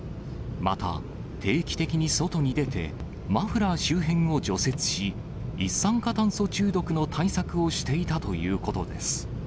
また、定期的に外に出て、マフラー周辺を除雪し、一酸化炭素中毒の対策をしていたということです。